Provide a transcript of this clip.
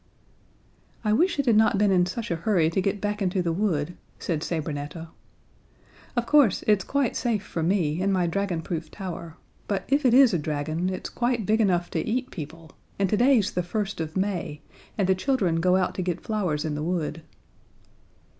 "I wish it had not been in such a hurry to get back into the wood," said Sabrinetta. "Of course, it's quite safe for me, in my dragonproof tower; but if it is a dragon, it's quite big enough to eat people, and today's the first of May, and the children go out to get flowers in the wood."